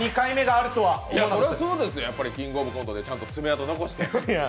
そりゃそうですよ、キングオブコントでちゃんと爪痕残して。